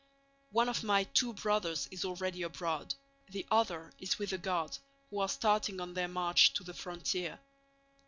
One of my two brothers is already abroad, the other is with the Guards, who are starting on their march to the frontier.